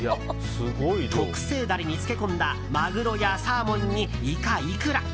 特製ダレに漬け込んだマグロやサーモンにイカ、イクラ！